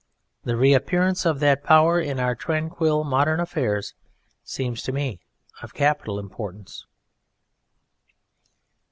The reappearance of that power in our tranquil modern affairs seems to me of capital importance.